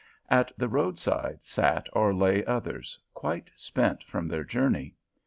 At the roadside sat or lay others, quite spent with their journey.